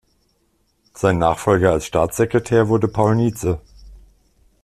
Sein Nachfolger als Staatssekretär wurde Paul Nitze.